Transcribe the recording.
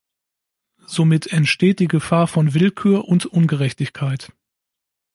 Somit entsteht die Gefahr von Willkür und Ungerechtigkeit.